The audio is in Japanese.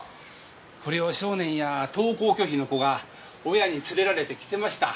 不良少年や登校拒否の子が親に連れられて来てました。